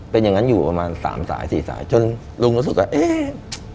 เป็นอย่างนั้นอยู่ประมาณ๓๔สายจนลุงสิงศ์ก็รู้สึก